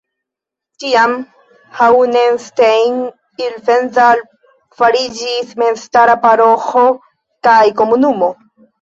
Tiam Hauenstein-Ifenthal fariĝis memstara paroĥo kaj komunumo.